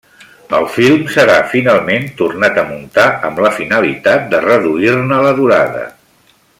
El film serà finalment tornat a muntar, amb la finalitat de reduir-ne la durada.